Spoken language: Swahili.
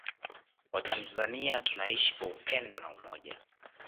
Watanzania tunaishi kwa upendo na umoja